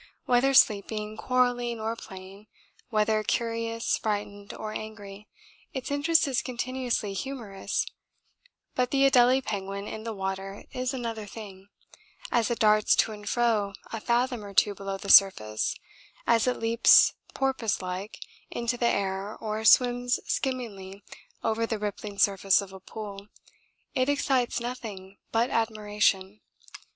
Whether sleeping, quarrelling, or playing, whether curious, frightened, or angry, its interest is continuously humorous, but the Adélie penguin in the water is another thing; as it darts to and fro a fathom or two below the surface, as it leaps porpoise like into the air or swims skimmingly over the rippling surface of a pool, it excites nothing but admiration.